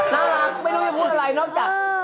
ไม่รู้จะพูดอะไรนอกจาก